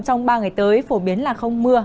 trong ba ngày tới phổ biến là không mưa